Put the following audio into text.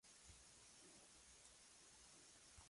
Además tomaron fenobarbital para calmar sus nervios.